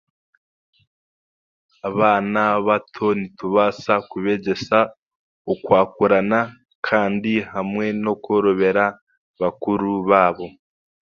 Abaana bato nitubaasa kubeegyesa okwakurana kandi hamwe n'okworobera bakuru baabo.